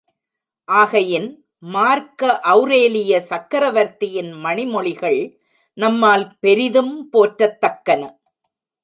ஆகையின் மார்க்க ஒளரேலிய சக்ரவர்த்தியின் மணிமொழிகள் நம்மால் பெரிதும் போற்றத்தக்கன.